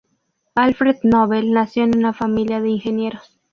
Alfred Nobel nació en una familia de ingenieros.